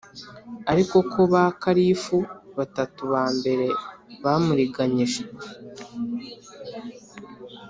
ariko ko ba kalifu batatu ba mbere bamuriganyije